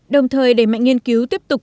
đồng thời đẩy mạnh nghiên cứu tiếp tục